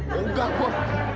ya engga gua